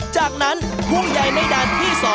จากนั้นผู้ใหญ่ในด้านที่๒